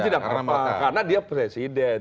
tidak apa karena dia presiden